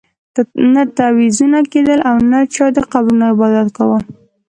نه تعویذونه کېدل او نه چا د قبرونو عبادت کاوه.